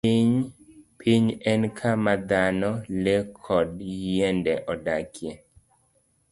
Piny en kama dhano, le, kod yiende odakie.